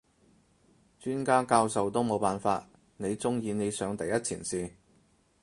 專家教授都冇辦法，你中意你上第一前線？